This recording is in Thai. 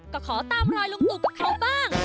ก็ขอตามรอยลุงตุ๋เขาบ้าง